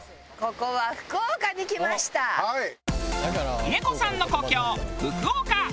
峰子さんの故郷福岡。